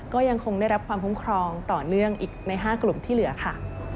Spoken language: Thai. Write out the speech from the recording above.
ก็ยังคงได้รับความคุ้มครองต่อเนื่องอีกใน๕กลุ่มที่เหลือค่ะ